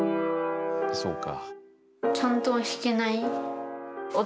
そうか。